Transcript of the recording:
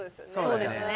そうですね